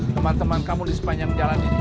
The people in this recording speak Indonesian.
teman teman kamu di sepanjang jalan itu